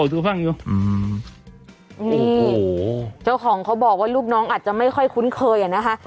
โอ้โหเจ้าของเขาบอกว่าลูกน้องอาจจะไม่ค่อยคุ้นเคยอ่ะนะคะ